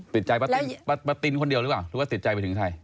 ติดใจป้าตินป้าตินคนเดียวหรือเปล่าหรือว่าติดใจไปถึงใคร